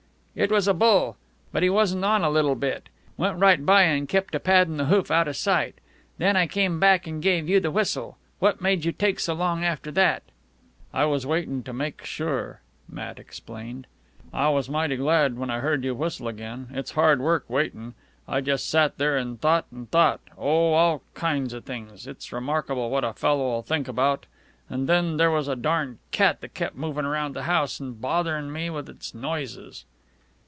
"It was a bull. But he wasn't on a little bit. Went right by an' kept a paddin' the hoof outa sight. Then I came back an' gave you the whistle. What made you take so long after that?" "I was waitin' to make sure," Matt explained. "I was mighty glad when I heard you whistle again. It's hard work waitin'. I just sat there an' thought an' thought ... oh, all kinds of things. It's remarkable what a fellow'll think about. And then there was a darn cat that kept movin' around the house an' botherin' me with its noises."